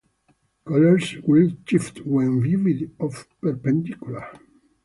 Colors will shift when viewed off-perpendicular.